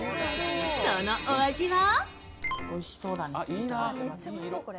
そのお味は？